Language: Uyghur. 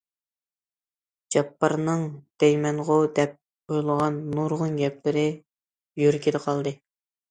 جاپپارنىڭ‹‹ دەيمەنغۇ›› دەپ ئويلىغان نۇرغۇن گەپلىرى يۈرىكىدە قالدى.